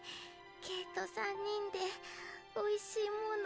ケイと３人でおいしいもの